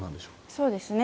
そうですね。